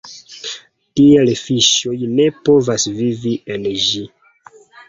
Tial fiŝoj ne povas vivi en ĝi.